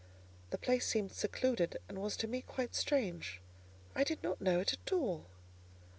The place seemed secluded, and was to me quite strange: I did not know it at all.